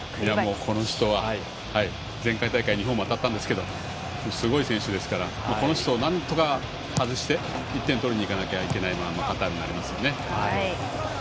この人は前回大会日本も当たったんですけどすごい選手ですからこの人をなんとか外して１点取りにいかなきゃいけないというのがカタールはありますよね。